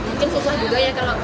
mungkin susah juga ya kalau